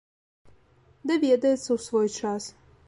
Даведаецца ў свой час.